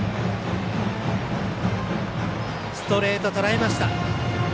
ストレート、とらえました。